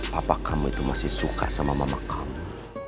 papa kamu itu masih suka sama mama kamu